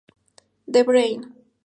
The Brain.